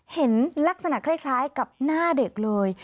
เห็นลักษณะคล้ายกับหน้าเด็กเลย